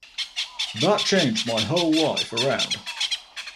That changed my whole life around.